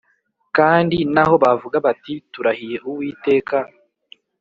Kandi naho bavuga bati Turahiye Uwiteka